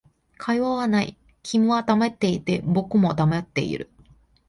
会話はない、君は黙っていて、僕も黙っている